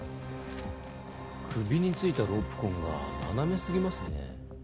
首についたロープ痕が斜めすぎますね。